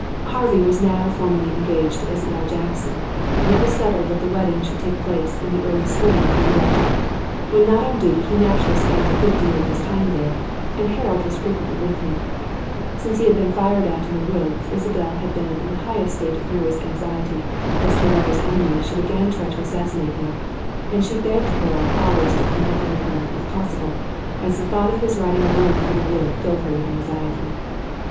Harvey was now formally engaged to Isabelle Jackson, and it was settled that the wedding should take place in the early spring at New York. When not on duty he naturally spent a good deal of his time there, and Harold was frequently with him. Since he had been fired at in the woods Isabelle had been in the highest state of nervous anxiety lest her lover's enemy should again try to assassinate him, and she begged Harold always to come over with him, if possible, as the thought of his riding alone through the wood filled her with anxiety.